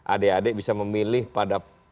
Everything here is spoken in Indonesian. adek adek bisa memilih pada